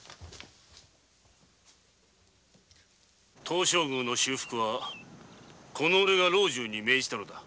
東照宮の修復はオレが老中に命じたのだ。